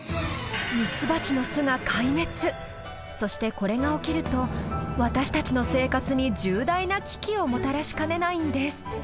そしてこれが起きると私たちの生活に重大な危機をもたらしかねないんです。